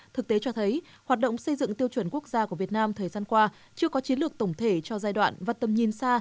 thực tế cho thấy hoạt động xây dựng tiêu chuẩn quốc gia của việt nam thời gian qua chưa có chiến lược tổng thể cho giai đoạn và tầm nhìn xa